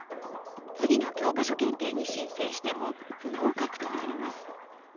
次の教科書検定に申請しても不合格となります。